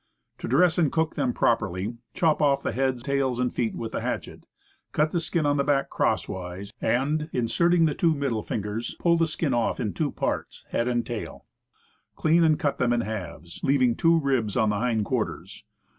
To dress and cook them properly, chop off heads, tails and feet with the hatchet; cut the skin on the back crosswise, and, inserting the two middle fingers, pull the skin off in two parts (head and tail). Clean and cut them in halves, leaving two ribs on the hind quarters.